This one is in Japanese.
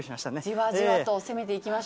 じわじわと攻めていきましょ